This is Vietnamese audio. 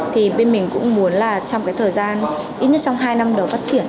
thì bên mình cũng muốn là trong cái thời gian ít nhất trong hai năm đầu phát triển